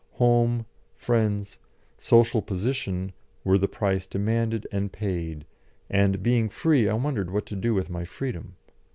Home, friends, social position, were the price demanded and paid, and, being free, I wondered what to do with my freedom.